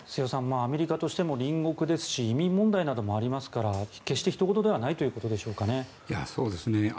アメリカとしても隣国ですし移民問題などもありますから決してひと事ではないということですかね。